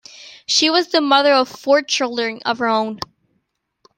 She was the mother of four children of her own.